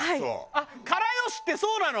あっから好しってそうなの？